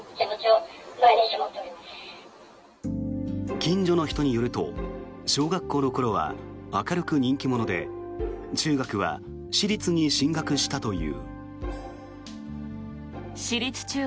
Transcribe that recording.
近所の人によると小学校の頃は明るく人気者で中学は私立に進学したという。